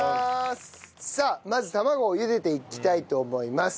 さあまず卵をゆでていきたいと思います。